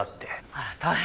あら大変。